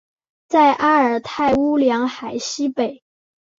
在阿尔泰乌梁海西北。